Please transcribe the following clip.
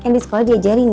kan di sekolah diajarin ya